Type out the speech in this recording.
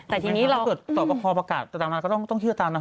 แต่ตอนนั้นค่ะจะต่อก็พอภักดาต้างก็ต้องเชื่อตามนะ